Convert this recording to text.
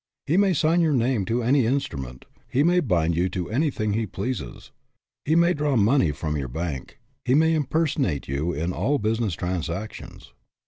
He may sign your name to any instrument ; he may "bind you to anything he pleases; he may draw money from your bank ; he may impersonate you in all business transactions.